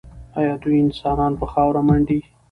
ایا دوی انسانان په خاورو منډي؟